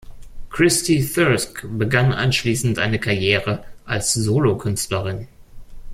Kristy Thirsk begann anschließend eine Karriere als Solo-Künstlerin.